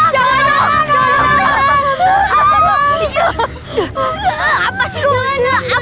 jangan jangan jangan